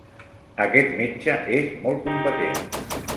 Aquest metge és molt competent.